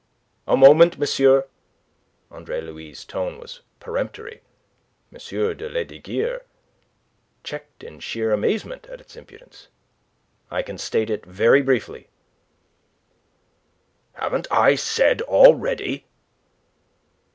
"A moment, monsieur!" Andre Louis' tone was peremptory. M. de Lesdiguieres checked in sheer amazement at its impudence. "I can state it very briefly..." "Haven't I said already..."